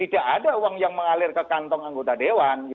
tidak ada uang yang mengalir ke kantong anggota dewan